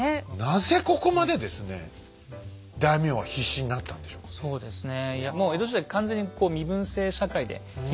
なぜここまでですね大名は必死になったんでしょうかね。